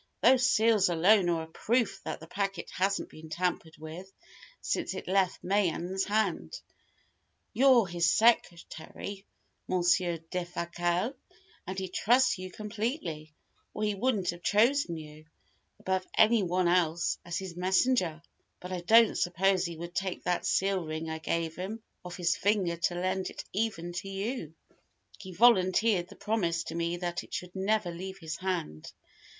Those seals alone are a proof that the packet hasn't been tampered with since it left Mayen's hands. You're his secretary, Monsieur Defasquelle, and he trusts you completely, or he wouldn't have chosen you, above any one else, as his messenger. But I don't suppose he would take that seal ring I gave him off his finger to lend it even to you. He volunteered the promise to me that it should never leave his hand.